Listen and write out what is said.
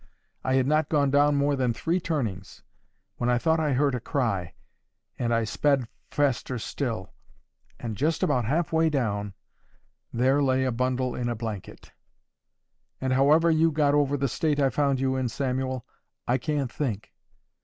I had not gone down more than three turnings, when I thought I heard a cry, and I sped faster still. And just about half way down, there lay a bundle in a blanket. And how ever you got over the state I found you in, Samuel, I can't think.